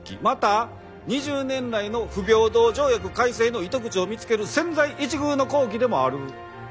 また２０年来の不平等条約改正の糸口を見つける千載一遇の好機でもある。